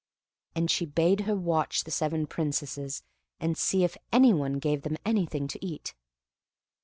And she bade her watch the seven Princesses, and see if anyone gave them anything to eat.